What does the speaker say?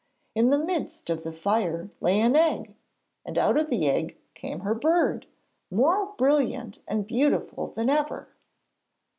In the midst of the fire lay an egg, and out of the egg came her bird, more brilliant and beautiful than ever!